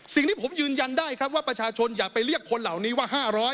สิ่งที่ผมยืนยันได้ครับว่าประชาชนอย่าไปเรียกคนเหล่านี้ว่า๕๐๐